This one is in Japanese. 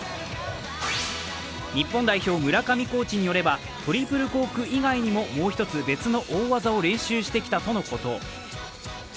日本代表・村上コーチによればトリプルコーク以外にももう一つ別の大技を練習してきたとのこと。